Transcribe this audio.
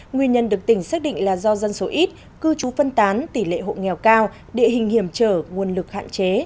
nguyên nhân được tỉnh xác định là do dân số ít cư trú phân tán tỷ lệ hộ nghèo cao địa hình hiểm trở nguồn lực hạn chế